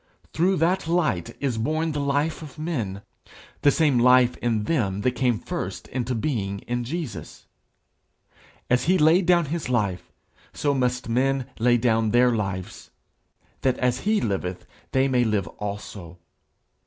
Through that light is born the life of men the same life in them that came first into being in Jesus. As he laid down his life, so must men lay down their lives, that as he liveth they may live also.